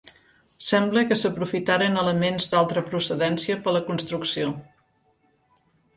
Sembla que s'aprofitaren elements d'altra procedència per la construcció.